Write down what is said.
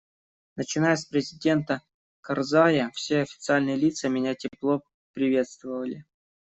Начиная с президента Карзая, все официальные лица меня тепло приветствовали.